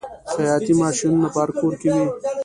د خیاطۍ ماشینونه په هر کور کې وي